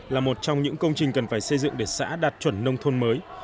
là một trong những công trình cần phải xây dựng để xã đạt chuẩn nông thôn mới